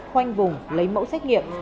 khoanh vùng lấy mẫu xét nghiệm